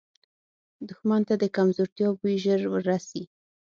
دښمن ته د کمزورتیا بوی ژر وررسي